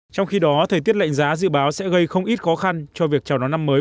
trong khi đó thời tiết lạnh giá dự báo sẽ gây không ít khó khăn cho việc chào đón năm mới